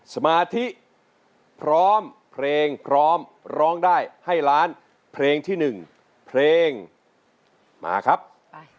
สมาธิพร้อมเพลงพร้อมร้องได้ให้ล้านเพลงที่๑เพลงมาครับ